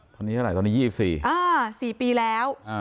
ตอนนี้อะไรตอนนี้ยี่สิบสี่อ่าสี่ปีแล้วอ่า